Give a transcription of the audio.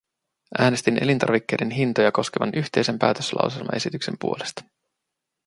Äänestin elintarvikkeiden hintoja koskevan yhteisen päätöslauselmaesityksen puolesta.